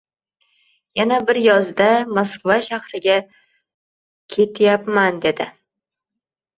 Yana bir yozda, Moskva shahriga ketyapmandedi.